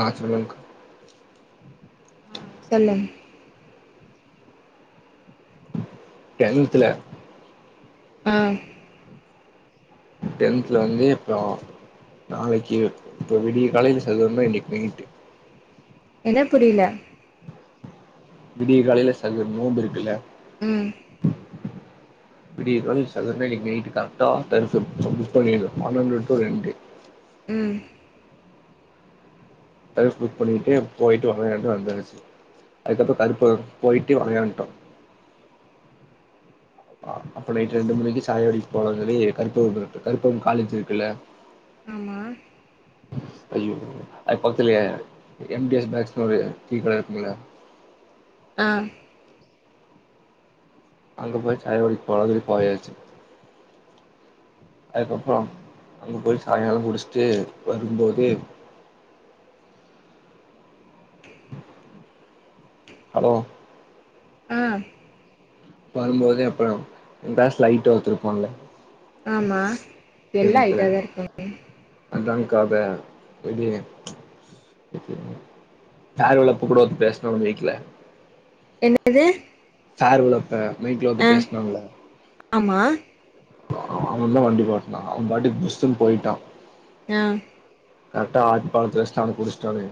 ஆ சொல்லுங்க்கா சொல்லு டென்த்துல அ டென்த்துல வந்து இப்போ நாளைக்கி இப்போ விடிய கால்லே சதுவம்னா இன்னிக் பெய்ட்டு என்ன புரில விடிய காலைல சகர் நோம்பு இருக்குல்ல ம் விடிய கால்ல சக்ர்னா இன்னக்கி நைட்டு கர்ட்டா தரிச புக் பண்ணிடுவே பன்னண்டு டூ ரெண்டு ம் தகு புக் பண்ணிட்டு போய்டிட்டு வரங்கட்டு வந்தாச்சு அதுக்கப்புறோ கருப்பு போய்ட்டு வரங்கன்ட்டோ அப்ப நைட்டு ரெண்டு மணிக்கி சாயா கடைக் போலான் சொல்லி கருப்புவ இருக்கு கருப்பம் காலேஜி இருக்குல்ல ஆமா அய்யோ அதுக் பக்த்துல எம் டி எஸ் பேக்ஸ்னு டீ கட இருக்குமுல்ல அ அங்க போயி சாயா குடிக் போலான் சொல்லி போயச்சி அதுக்கப்புறோ அங்க போய் சாய்ங்காலோ குடிச்ட்டு வரும்போது ஹலோ அ வரும்போதே அப்புறோ எங் ப்ளேஸ்ல அய்ட்டா ஒருத்த இருப்பான்ல ஆமா எல்லா ஐட்டதா இருக்கா அதாங்காபே பொய்ட்டிங்க ஃபேர்வெல் அப்போ கூட வந்து பேஸ்னோ வெக்ல என்னது ஃபேர்வெல் அப்பேமைக்ல வந்து ஆ பேஸ்னால்ல ஆமா அ அவன்தா வண்டி ஓட்னா அவ பாட்டுக்கு புஸ்ஸூன் போயிட்டா அ கர்க்ட ஆதிப்பாலத்ல வஷ்ட்டு அவன புடிஷ்ட்டானே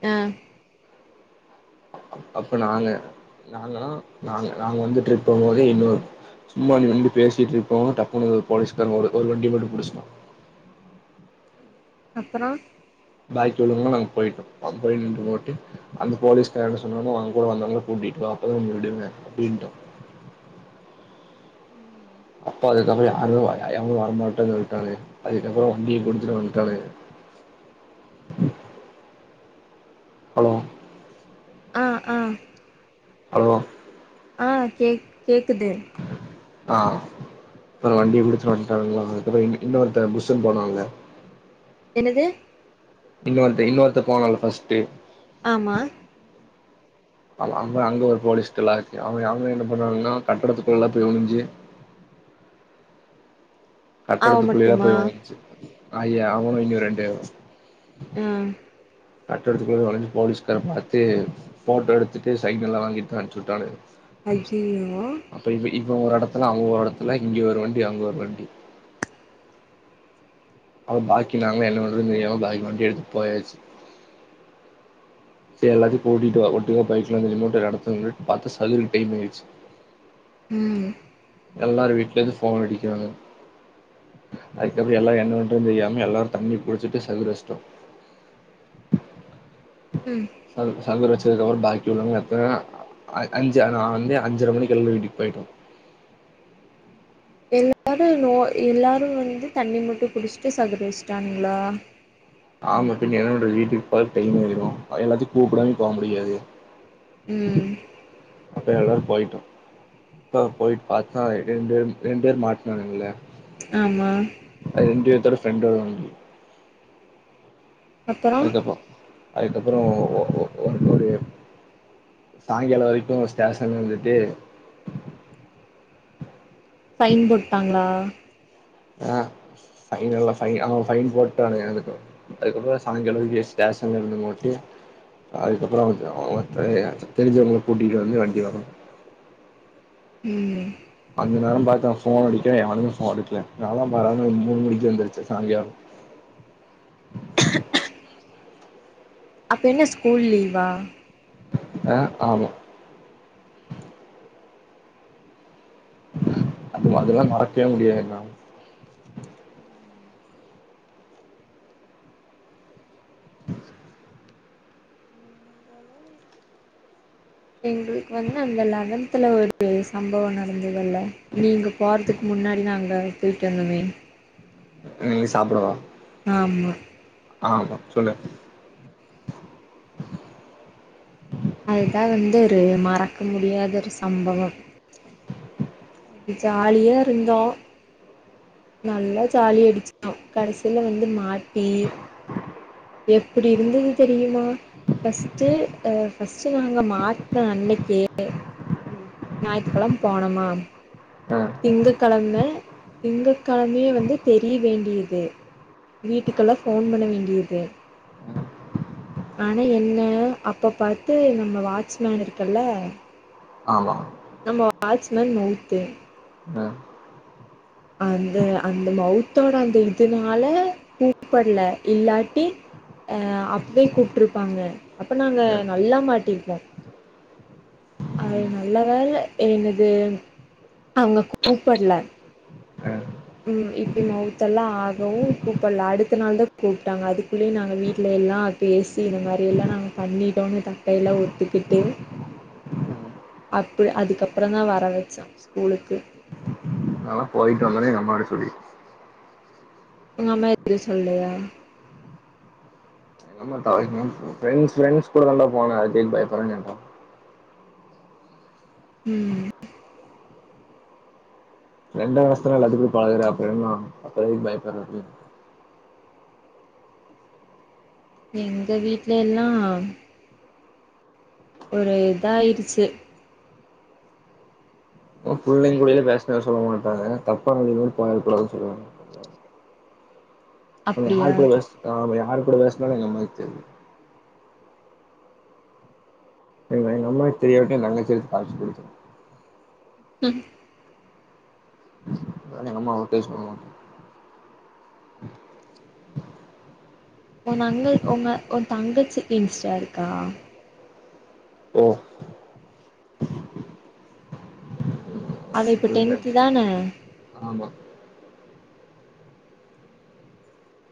அ அப்ப நாங்க நாங்கன்னா நாங்க நாங்க வந்து ட்ரிப் போம்போதே இன்னொரு சும்மா நின்டு பேசிட்ருக்கவு டப்புனு ஒரு போலீஸ்காரங்க ஒரு ஒரு வண்டிய மட்டு புடிஷ்ட்டா அப்புறோ பாக்கி உள்ளவங்களா நாங் போயிடோ அங்க போய் நின்ட்டு போட்டு அந்த போலீஸ்கார் என்ன சொன்னானோ அங் கூட வந்தவ்ங்ள கூட்டிட் வா அப்பதா உன்ன விடுவ அப்டின்ட்டா அப்ப அதுக்கப்புறோ யாருமேவ ஏங்கூட வரமாட்டேன்னு சொல்ட்டானுங்க அதுக்கப்புறோ வண்டிய குடுத்துட்டு வந்ட்டானுங்க ஹலோ அ அ ஹலோ ஆ கேக் கேக்குது அ ப்பற வண்டிய குடுத்துட்டு வந்ட்டானுங்களா அதுக்கப்புற எங் இன்னொருத்த புஸ்ஸூனு போனால்ல என்னது இன்னொருத்த இன்னொருத்த போனால்ல ஃபஸ்ட்டு ஆமா [unintelligible] அங்க அங்க ஒரு போலிஸ்ட் [unintelligible] அவுங்க அவுங்க என்ன பண்ணுவானுங்கனா கட்டடத்துக்குள்ளலா போய் ஒலிஞ்சி அவ கட்டடத்துக்குள்ளயா மட்டுமா போய் ஒளிஞ்சி ஐயா அவுனு இன்னியூ ரெண்டு ஆ கட்டடத்துக்குள்ள ஒலிஞ்சு போலீஸ்கார பாத்து ஃபோட்டோ எடுத்துட்டு சைனெல்லா வாங்கிட்தா அனுச்சுட்டானுக ஐயையோ அப்ப இவ் இவ ஒரு எடத்துல அவ ஒரு எடத்துல இங்க ஒரு வண்டி அங்க ஒரு வண்டி அவ பாக்கி நாங்க என்ன பண்றதுன்னு தெரியாம [unintelligible] வண்டி எடுத்துட் போயாச்சு சேர் எல்லாத்தயு பூட்டீட்டு வா ஒட்டுகா போய்களான் சொல்லி அந்த [unintelligible] பாத்தா [unintelligible] டைம் ஆயிச்சு ம் எல்லாரு வீட்லருந்து ஃபோன் அடிக்கராங்க அதுக்கப்றோ எல்லா என்ன பண் றதுன் தெரியாம எல்லாரு தண்ணி குடிச்சிட்டு சகுரஷ்டோ ம் சகு சகுரச்சதுக்கப்பறோ பாக்கி உள்ளவங்க எத்தன அ அஞ்சு நா வந்து அஞ்சர மணிக்கு கெழம்பி வீட்டுக் போய்ட்டோ எல்லாரு நோ எல்லாரு வந்து தண்ணி மட்டு குடிஸ்ட்டு சகுரஷ்டானுங்ளா ஆமா பின்ன எவனோட ஆ மட்டு இங்க என்ன நடக்குது வீட்டுக் போக டைம் ஆய்ரு எல்லாத்தயு கூப்படாமயூ போ முடியாது ம் அப்ப எல்லாரு போயிட்டோ இப்ப போய் பாத்தா ரெண்டேர் ரெண்டேர் மாட்னானுங்கள ஆமா அது எங்கேத்தோட ஃப்ரெண்டோட வண்டி அப்றோ அதுக்கப்பறோ அதுக்கப்பறோ ஒ ஒ ஒ ஒரு [unintelligible] சாயிங்காலோ வரைக்கு ஸ்டேசன்ல இருந்துட்டு ஃபைன் போட்டாங்களா ஆ ஃபைன்னல்ல ஃபைன் ஆ ஃபைன் போட்டானுங்க எனக்கு அதுக்கப்பறோ சாயிங்களோ இவிய ஸ்டேஷன்ல இருந்து நோட்டு அதுக்கப்பறோ அவ அவ [inaudible] தெரிஞ்சவங்கள கூட்டிட்டு வந்து வண்டி வாங்கனோ ம் அந்த நேரோ பாத்து நா ஃபோன் அடிக்கற எவனுமே ஃபோன் எடுக்கல நாலா [unintelligible] மூணு மணிக்கே எந்துருச்சே சாங்கியா அப்ப என்ன ஸ்கூல் லீவா அ ஆமா அது அதல்லா மறக்கவே முடியாதுனா நாங்களும் எங்களுக்கு வந்து அந்த லெவன்த்துல ஒரு சம்பவோ ந டந்ததல்ல நீங்க போறதுக்கு முன்னாடி நாங்க போயிட்டு வந்தமே நீ சாப்படவா ஆமா ஆமா சொல்லு அதுதா வந்து ஒரு மறக்க முடியாத ஒரு சம்பவம் ஜாலியா இருந்தோ நல்லா ஜாலி அடிச்ட்டோ கடசீல வந்து மாட்டி எப்படி இருந்துது தெரியுமா ஃபஸ்ட்டு அ ஃபஸ்ட்டு நாங்க மாட்ன அன்னைக்கே ஞாயித்துக்கெழம போனமா அ திங்ககெழம திங்க கெழமயே வந்து தெரிய வேண்டிது வீட்டுக்கல்லா ஃபோன் பண்ண வேண்டியது ஆனா என்ன அப்ப பாத்து நம்ம வாச்மேன் இருக்கல்ல ஆமா நம்ம வாச்மென் மவுத்து அ அந்த அந்த மௌத்தோட அந்த இதுனால கூப்படல இல்லாட்டி அ அப்பவே கூப்ட்ருப்பாங்க அப்ப நாங்க ஆ நல்லா மாட்டிருப்போ அது நல்ல வேல என்னது அவுங்க கூப்பட்ல ஆ ம் இப்டி மவுத்தெல்லா ஆகவு கூப்பட்ல அடுத்த நாள் தா கூப்டாங்க அதுக்குள்ளயு நாங்க வீட்ல எல்லா பேசி இது மாரியெல்லா நாங்க பண்ணிடோன்னு தப்பயெல்லா ஒத்துக்கிட்டு அப்பு அதுக்கப்றொந் தா வர வச்சோ ஸ்கூலுக்கு நால்லா போயிட்டு வந்தொனே எங்க அம்மாட்ட சொல்லி உங்க அம்மா எது சொல்லையா எங்கம்மா [unintelligible] ஃப்ரென்ட்ஸ் ஃப்ரென்ட்ஸ் கூட தண்டா போன அதுக் எதுக் பயப்பட்ற [unintelligible] ம் ஃப்ரெண்ட வச்தான எல்லாத்துக்குட பழகுற அப்பறொ என்னா அப்றோ எதுக்கு பயப்பட்ற அப்டின் எங்க வீட்லயெல்லா ஒரு இதாயிடுச்சு புள்ளைங்குடெல பேஸ்னது சொல்ல மாட்டாங்க தப்பான வலில ஏது போக கூடாதுன் சொல்லுவாங்க அவ்ங்க அப்டியா யாரு கூட பேஸ் நா யார் கூட பேஸ்நாலு எங்க அம்மாக்கு தெரியு எங்க எங்க அம்மாக்கு தெரியாட்டியு எ தங்கச்சி எடுத்து காம்சு குடுத்துரு ம் அதெ எங்க அம்மா ஒகே சொல்லுவாங்க [unintelligible] ஒங்க ஒ தங்கச்சிக்கி இன்ஸ்டா இருக்கா ஓ அவ இப்ப டென்த்து தான [unintelligible] ஆமா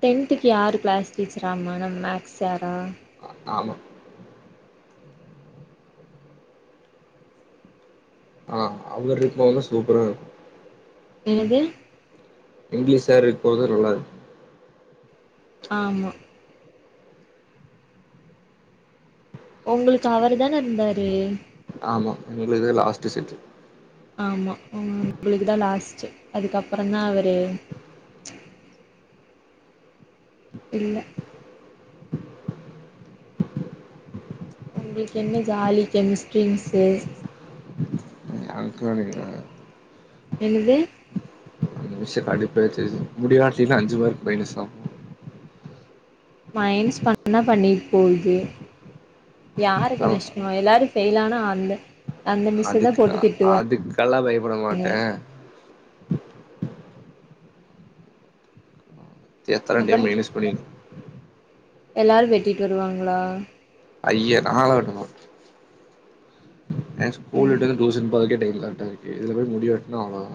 டென்த்துக்கு யாரு கிளாஸ் டீச்சராமா நம்ம மேக்ஸ் சாரா ஆமா அவருக்கு போதுலா சூப்பரா இர்கு என்னது இங்கிலீஷ் சார் இருக்போது நல்லா இருக்கு ஆமா ஒங்களுக்கு அவருதான இருந்தாரு ஆமா எங்ளுகுத லாஸ்ட்டு செட்டு ஆமா ஒ உங்களுக்கு தா லாஸ்ட்டு அதுக்கப்பறொந்தா அவரு இல்ல உங்ளுக்கு என்ன ஜாலி கெமிஸ்ட்ரி மிஸ்ஸு [unintelligible] என்னது அந்த மிஸ்ஸு கடுப்பேத்துது முடியாட்டினா அஞ்சு மார்க்கு மைனஸாமா மைனஸ் பண்ணா பண்ணிட் போகுது தா யாருக்கு நஷ் நாங்க எல்லாரு ஃபெயிலானா அந்த அந்த மிஸ்ஸ தா போட்டு திட்டுவோ நல்லா பயப்புட மாட்டே எத்தன அப்புறோ டைம் மைனஸ் பண்ணிர் எல்லாரு வெட்டிட்டு வருவாங்ளா ஐய்ய நாங்களா வெட்டனு எனக்கு ஸ்கூல் ம் விட்டது டூசன் போறதுக்கே டைம் கரக்டா இருக்கு இதுல போய் முடிவெட்னா அவ்ளோதா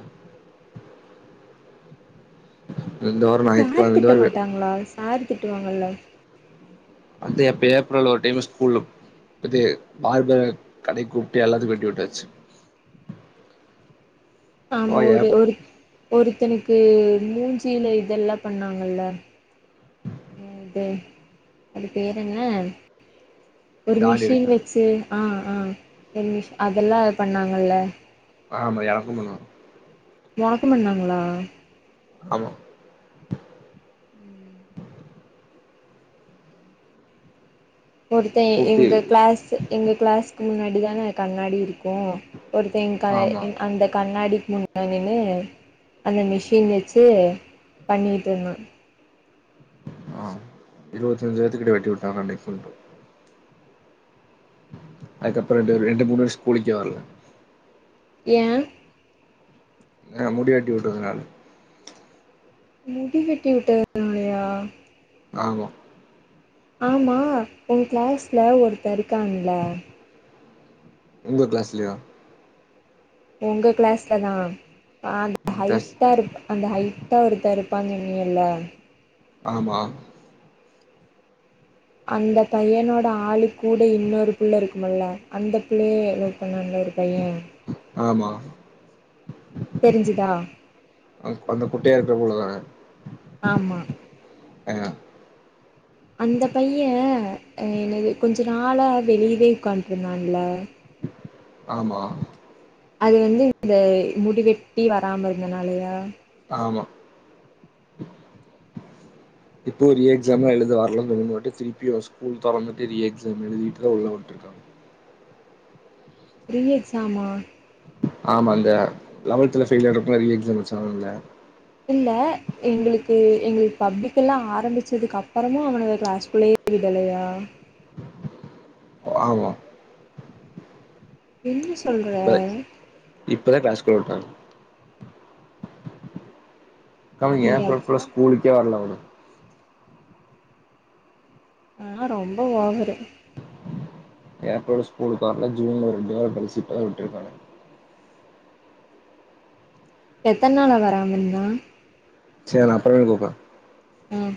இந்த வாரோ சார் ஞாயித்துக்கெழம இந்த திட்ட வாரோ மாட்டாங்ளா சாரு திட்டுவாங்கல்ல அது எப்யா ஏப்ரல்ல ஒரு டைமு ஸ்கூல்ல இது பார்பர கடைக் கூப்ட்டு எல்லாத்துக்கு வெட்டிவுட்டாச்சு ஆமா போய் ஒரு ஏப் ஒரு ஒருத்தனுக்கு மூஞ்சில இதெல்லா பண்ணாங்கல்ல அது அது பேரென்ன ஒரு தாடி மிஷின் எடுக்கறே வெச்சு ஆ ஆ ஒரு மிஷ அதல்லா பண்ணாங்கல்ல ஆமா எனக்கு பண்ணுவா ஒனக்கு பண்ணாங்ளா ஆமா ம் ஒருத்தன் கூப்ட்டு எங்க க்ளாஸ் எங்க க்ளாஸ்க்கு முன்னாடி தான கண்ணாடி இருக்கு ஒருத்த எங் க ஆமா எ அந்த கண்ணாடிக்கு முன் னாடி நின்னு அந்த மிஷின் வெச்சு பண்ணிட்ருந்தா ஆ இருவத்தஞ்சு பேர்த்துகிட்ட வெட்டிவுட்டாங்க அன்னைக்கு மட்டு அதுக்கப்றோ ரெண்டு பேரு ரெண்டு மூணு வேரு ஸ்கூலுக்கே வர்ல ஏ எ முடிவெட்டி உட்டதுனால முடி வெட்டி உட்டதுனாலயா ஆமா ஆமா உங்க க்ளாஸ்ல ஒருத்த இருக்கான்ல எங்க க்ளாஸ்லயா உங்க க்ளாஸ்ல தா அந்த உங்க கிளாஸ் ஹைட்டா இருப்பா அந்த ஹைட்டா ஒருத்த இருப்பா சொன்னியல்ல ஆமா அந்த பைய்யனோட ஆளு கூட இன்னொரு புள்ள இருக்குமுல்ல அந்த புள்ளைய எனக் [unintelligible] இன்னொரு பைய்யே ஆமா தெரிஞ்சிதா அ அந்த குட்டயா இருக்க புள்ளதான ஆமா ஏ அந்த பைய்யே என்னிய கொஞ்ச நாள வெளியவே உக்காண்டருந்தான்ல ஆமா அது வந்து இந்த முடி வெட்டி வராம இருந்தனாலயா ஆமா இப்போ ரீஎக்ஸாம்லா எழுத வர்லன் சொன்னங்காட்டி திருப்பியு ஸ்கூல் தொறந்துட்டு ரீஎக்ஸாம் எழுதீட்டுதா உள்ள உட்ருக்காங்க ரீஎக்ஸாமா ஆமா இந்த லெவன்த்ல ஃபெய்ல் ஆரவங்கெல்லா ரீஎக்ஸாம் வெச்சாங்கல்ல இல்ல எங்களுக்கு எங்களுக்கு பப்ளிக் எல்லா ஆரம்பிச்சதுக்கப்புறமு அவனுக க்ளாஸ்குள்ளயே விடலையா ஆமா என்ன சொல்ற இப்ப இப்பதா க்ளாஸ்குள்ள உட்டாங்க கம்மிங் நீ ஏப்ரல் ஃபுல்லா அப்ப ஸ்கூலுக்கே வர்ல அவனு ஆ ரொம்ப ஓவரு ஏப்ரல் ஸ்கூலுக்குர்ல ஜூன்ல ரெண்டு ஒரு வாரம் கழிச்சு இப்பதான் விட்டுருக்காங்க எத்தன நாள வராம இருந்தா செரி நா அப்பிரவீன கூப்புரா ம்